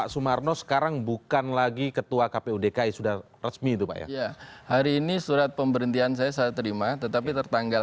saya mendaftar kemudian dihubungi mas taufik saya